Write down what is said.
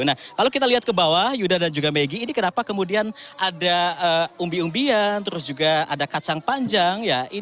nah kalau kita lihat ke bawah yuda dan juga maggie ini kenapa kemudian ada umbi umbian terus juga ada kacang panjang